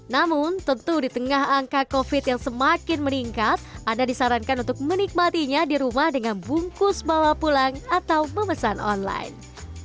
namun tentu di tengah angka covid yang semakin meningkat anda disarankan untuk menikmatinya di rumah dengan bungkus bawa pulang atau memesan online